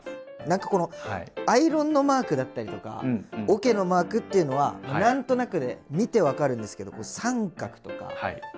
何かこのアイロンのマークだったりとかおけのマークっていうのは何となくで見て分かるんですけど「△」とか「□」